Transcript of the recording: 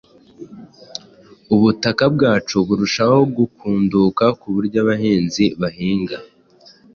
Ubutaka bwacu burushaho kugunduka ku buryo abahinzi bahinga